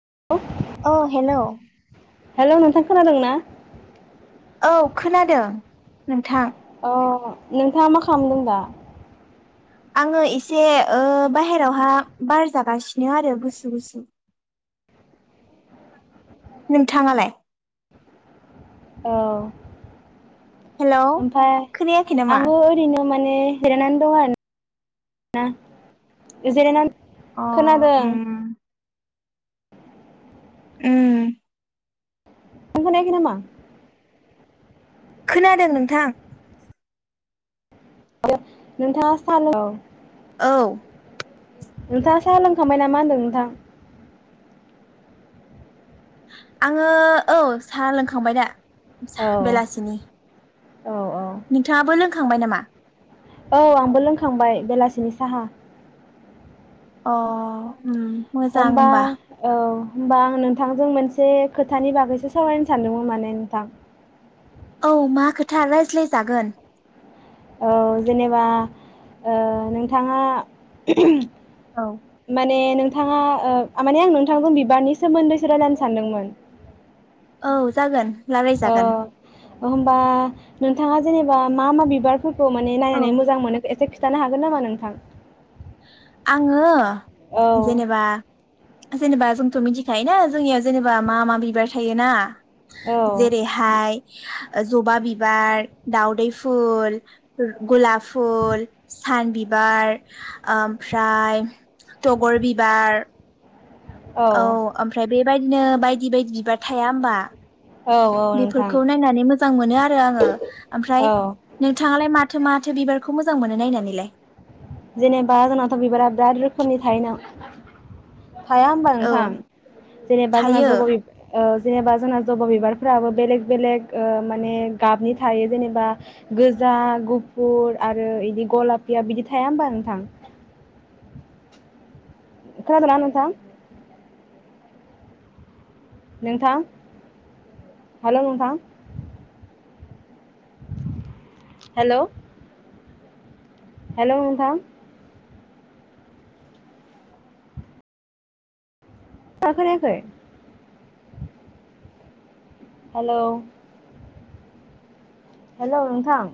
[unintelligible] ओ hello hello नोंथां खोनादों ना औ खोनादों नोंथां ओ नोंथाङा मा खालामदों दा। आङो एसे ओ बाहेरावहा बार जागासिनो आरो गुसु गुसु नोंथाङालाय औ हेलौ ओमफ्राय खोनायाखै नामा आं ओरैनो माने जिरायनानै दं आरोना जिरायनानै अ खोनादों ओम नों ओम खोनायाखै नामा खोनादों नोंथां। नोंथाङा सानो औ औ नोंथाङा साहा लोंखांबाय नामा होनदों नोंथां आङो औ सा लोंखांबाय दा औ बेलासिनि औ औ नोंथाङाबो लोंखांबाय नामा औ आंबो लोंखांबाय बेलासिनि साहा अ उम मोजां होमबा औ होमबा आं नोंथांजों मोनसे खोथानि बागैसो सावरायनो सानदोंमोन माने नोंथां औ मा खोथा रायज्लायजागोन औ जेनेबा ओ नोंथाङा [unintelligible] औ मान ए नोंथाङा ओ माने आं नोंथांखौ बिबारनि सोमोन्दैसो रायनो सानदोंमोन औ जागोन रालायजागोन होनबा नोंथाङा जेनेबा मा मा बिबार फोरखौ माने औ नायनानै मोजां मोनो एसे खिथानो हागोन नामा नोंथां आङो औ जेनेबा जेनेबा जोंथ' मिथिखायो ना जोंनियाव जेनेबा मा मा बिबार थायोना औ जेरैहाय जबा बिबार दउदै फुल गलाप फुल सान बिबार ओमफ्राय थगर बिबार औ ओमफ्राय बे बेबायदिनो बायदि बायदि बिबार थाया होमबा औ औ नोंथां बेफोरखौ नायनानै मोजां मोनो आरो आङो ओमफ्राय औ नोंथाङालाय माथो माथो बिबार खौ मोजां मोनो नायनानैलाय जेनेबा जोंनाथ' बिबारा बिराद रोखोमनि थायोना थाया हबा औ नोंथां जेनेबा जोंना थायो जब' ओ जेनेबा जोंना जबा बिबारफ्राबो बेलेग बेलेग माने गाबनि थायो जेनेबा गोजा गुफुर आरो बिदि गलाफिया बिदि थ थाया होमबा नोंथां खोनादो ना‌ नोंथां नोंथां हेल' नोंथां हेल' हेल' नोंथां [unintelligible] खोनायाखै हेल' हेल' नोंथां